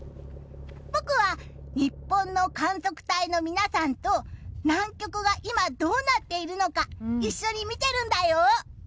僕は、日本の観測隊の皆さんと南極が今どうなっているのか一緒に見てるんだよ。